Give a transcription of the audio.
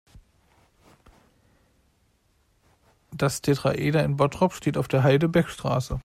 Das Tetraeder in Bottrop steht auf der Halde Beckstraße.